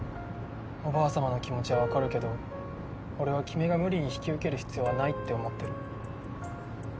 おばあさまの気持ちはわかるけど俺は君が無理に引き受ける必要はないって思ってる。